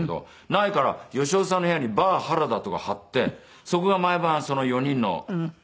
ないから芳雄さんの部屋に「バー原田」とか貼ってそこが毎晩その４人のあれで。